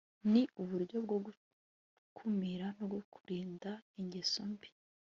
ni uburyo bwo gukumira no kurinda ingeso mbi